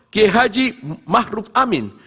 k h mahruf amin